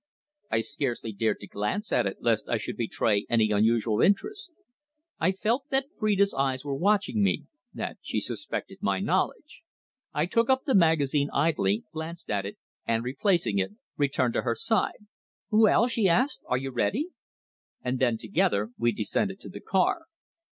I scarcely dared to glance at it, lest I should betray any unusual interest. I felt that Phrida's eyes were watching me, that she suspected my knowledge. I took up the magazine idly, glanced at it, and, replacing it, returned to her side. "Well," she asked, "are you ready?" And then together we descended to the car.